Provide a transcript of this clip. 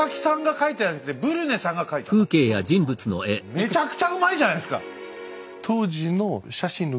めちゃくちゃうまいじゃないですか！